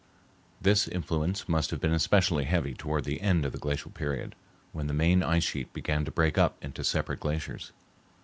This influence must have been especially heavy toward the end of the glacial period, when the main ice sheet began to break up into separate glaciers.